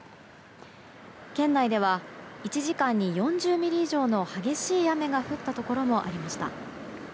県内では１時間に４０ミリ以上の激しい雨が降ったところもありました。